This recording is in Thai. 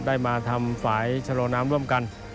ได้มาทำฝ่ายชะลอน้ำร่วมกัน